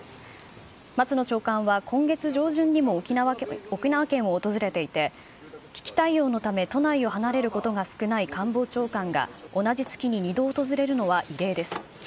松野長官は今月上旬にも沖縄県を訪れていて、危機対応のため都内を離れることが少ない官房長官が、同じ月に２度訪れるのは異例です。